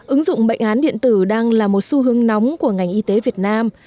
ứng dụng bệnh án điện tử đang là một xu hướng nóng của ngành y tế việt nam